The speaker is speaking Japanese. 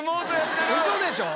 嘘でしょ？